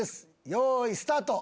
よいスタート。